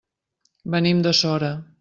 Venim de Sora.